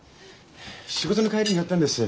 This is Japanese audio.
仕事の帰りに寄ったんです。